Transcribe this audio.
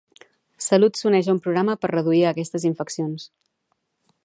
Salut s'uneix a un programa per reduir aquestes infeccions.